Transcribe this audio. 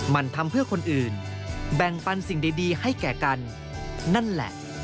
มันทำเพื่อคนอื่นแบ่งปันสิ่งดีให้แก่กันนั่นแหละ